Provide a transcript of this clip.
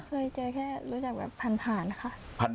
เคยเจอแค่รู้จักกับพันธุ์ผ่านค่ะ